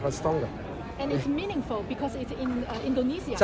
dan itu berarti penting karena di indonesia